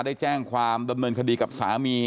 ได้แจ้งความดำเนินคดีกับสามี